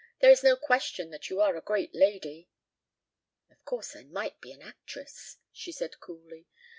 There is no question that you are a great lady." "Of course I might be an actress," she said coolly.